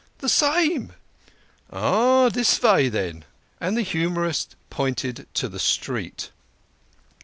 " The same." "Ah ! this vay, then !" And the humorist pointed to the street.